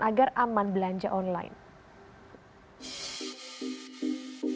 agar aman belanja online